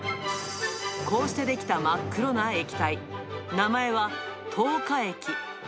こうして出来た真っ黒な液体、名前は糖化液。